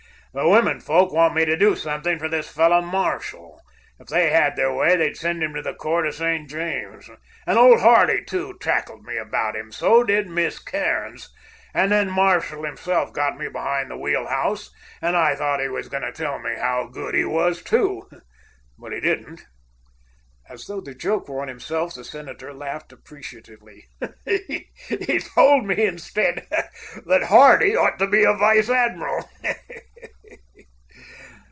The women folk want me to do something for this fellow Marshall. If they had their way, they'd send him to the Court of St. James. And old Hardy, too, tackled me about him. So did Miss Cairns. And then Marshall himself got me behind the wheel house, and I thought he was going to tell me how good he was, too! But he didn't." As though the joke were on himself, the senator laughed appreciatively. "Told me, instead, that Hardy ought to be a vice admiral."